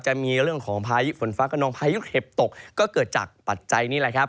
จะมีเรื่องของพายุฝนฟ้ากระนองพายุเห็บตกก็เกิดจากปัจจัยนี้แหละครับ